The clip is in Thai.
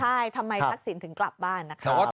ใช่ทำไมทักษิณถึงกลับบ้านนะคะ